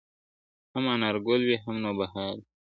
هم انارګل وي هم نوبهار وي !.